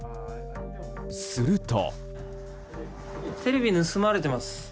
すると。